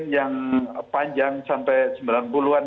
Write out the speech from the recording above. yang panjang sampai sembilan puluh an